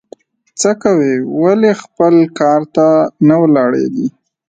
څه کوې ؟ ولي خپل کار ته نه ولاړېږې؟